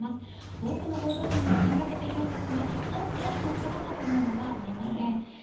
多くの報道陣が詰めかけているんですがまだ選手の姿というのは見えません。